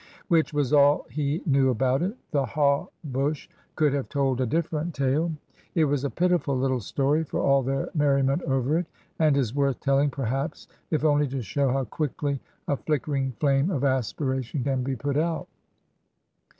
Which was all he knew about it. The haw bush could have told a different tale. It was a pitiful little story — for all their merriment over it — and is worth telling, perhaps, if only to show how quickly a flickering flame of aspira tion can be put out.